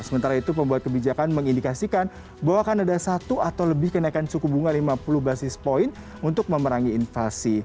sementara itu pembuat kebijakan mengindikasikan bahwa akan ada satu atau lebih kenaikan suku bunga lima puluh basis point untuk memerangi invasi